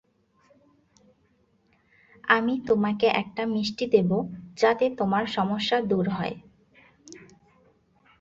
আমি তোমাকে একটা মিষ্টি দেবো, যাতে তোমার সমস্যা দূর হয়।